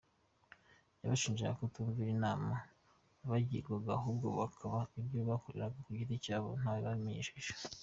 Yabashinjaga kutumvira inama bagirwaga ahubwo hakaba ibyo bikoreraga ku giti cyabo nta we babimenyesheje.